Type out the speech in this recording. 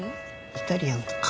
イタリアンとか。